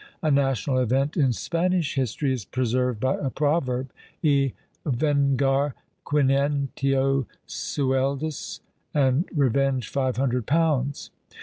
A national event in Spanish history is preserved by a proverb. Y vengar quiniento sueldos; "And revenge five hundred pounds!"